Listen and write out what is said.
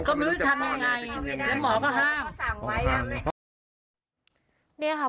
ก็ไม่รู้ทำยังไงแล้วหมอก็ห้าม